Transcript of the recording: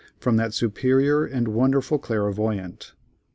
from "that superior and wonderful clairvoyant."